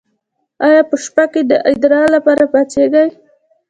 ایا په شپه کې د ادرار لپاره پاڅیږئ؟